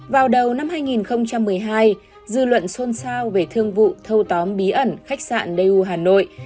vào đầu năm hai nghìn một mươi hai dư luận xôn xao về thương vụ thâu tóm bí ẩn khách sạn daeu hà nội